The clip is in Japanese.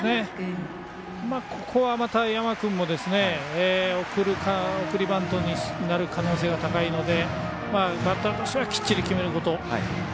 ここは山君も送りバントになる可能性が高いのでバッターとしてはきっちり決めること。